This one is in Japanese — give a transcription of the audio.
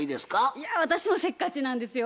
私もせっかちなんですよ。